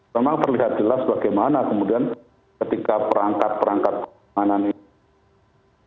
memang terlihat jelas bagaimana kemudian ketika perangkat perangkat keamanan ini